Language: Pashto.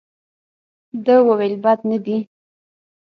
ده وویل بد نه دي.